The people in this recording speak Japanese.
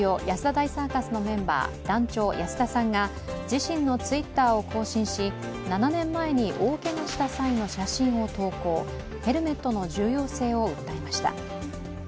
大サーカスの団長安田が自身のＴｗｉｔｔｅｒを更新し７年前に大けがした際の写真を投稿ヘルメットの重要性を訴えました。